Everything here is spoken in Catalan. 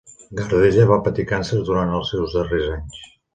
Gardella va patir càncer durant els seus darrers anys.